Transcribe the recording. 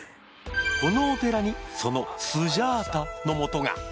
このお寺にそのスジャータのモトが。